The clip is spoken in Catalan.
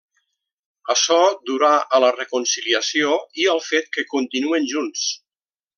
Açò durà a la reconciliació i al fet que continuen junts.